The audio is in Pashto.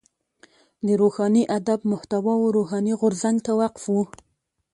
د روښاني ادب محتوا و روښاني غورځنګ ته وقف وه.